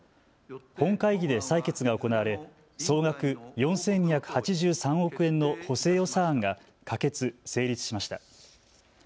本会議で採決が行われ総額４２８３億円の補正予算案が可決・成立しました。